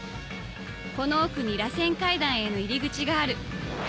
この奥にらせん階段への入り口がある